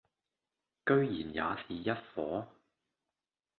居然也是一夥；